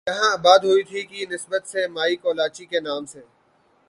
یہاں آباد ہوئی تھی کی نسبت سے مائی کولاچی کے نام سے